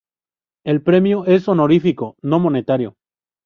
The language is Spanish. El premio es honorífico, no monetario.